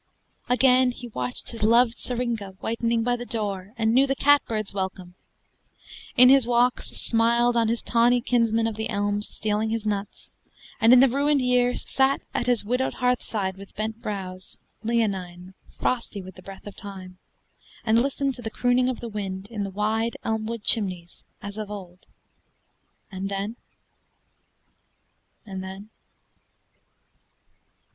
Again he watched His loved syringa whitening by the door, And knew the catbird's welcome; in his walks Smiled on his tawny kinsmen of the elms Stealing his nuts; and in the ruined year Sat at his widowed hearthside with bent brows Leonine, frosty with the breath of time, And listened to the crooning of the wind In the wide Elmwood chimneys, as of old. And then and then....